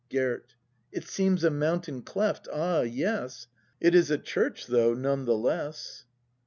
Gerd. It seems a mountain cleft, — ah, yes. It is a church, though, none the less.